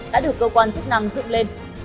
đã được cơ quan chức năng dựng lên